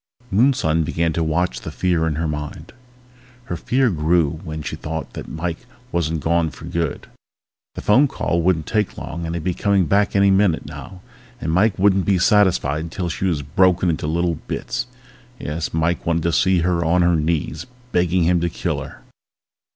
Moonson began to watch the fear in her mind ... Her fear grew when she thought that Mike wasn't gone for good. The phone call wouldn't take long and he'd be coming back any minute now. And Mike wouldn't be satisfied until she was broken into little bits. Yes, Mike wanted to see her on her knees, begging him to kill her!